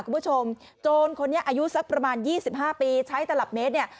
คุณผู้ชมโจรคนนี้อายุสักประมาณ๒๕ปีใช้ตลับเมตรเนี่ย